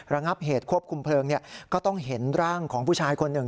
ระงับเหตุควบคุมเพลิงก็ต้องเห็นร่างของผู้ชายคนหนึ่ง